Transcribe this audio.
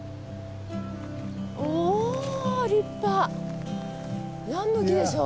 おお立派！